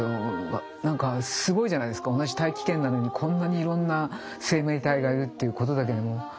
同じ大気圏なのにこんなにいろんな生命体がいるっていうことだけでも。